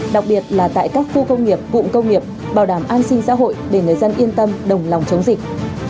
đặc biệt là tại các khu công nghiệp cụm công nghiệp bảo đảm an sinh xã hội để người dân yên tâm đồng lòng chống dịch